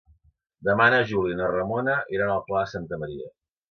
Demà na Júlia i na Ramona iran al Pla de Santa Maria.